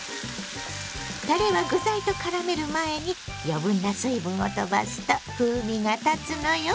たれは具材とからめる前に余分な水分を飛ばすと風味がたつのよ。